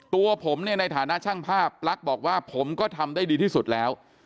ตัวผมเนี่ยในฐานะช่างภาพปลั๊กบอกว่าผมก็ทำได้ดีที่สุดแล้ว